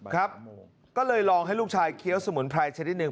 ครับก็เลยลองให้ลูกชายเคี้ยวสมุนไพรชนิดหนึ่ง